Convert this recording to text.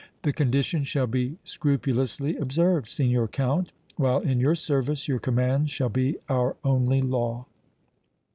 "The condition shall be scrupulously observed, Signor Count. While in your service your commands shall be our only law."